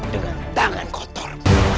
dengan tangan kotor